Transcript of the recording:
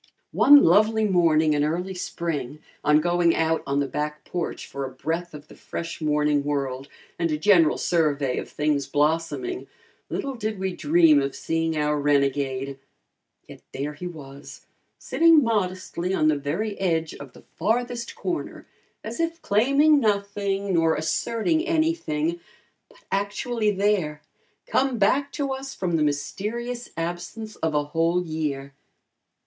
One lovely morning, in the early spring, on going out on the back porch for a breath of the fresh morning world and a general survey of things blossoming, little did we dream of seeing our renegade. Yet there he was, sitting modestly on the very edge of the farthest corner, as if claiming nothing, nor asserting anything, but actually there, come back to us from the mysterious absence of a whole year.